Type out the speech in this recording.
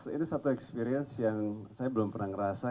ini satu experience yang saya belum pernah ngerasa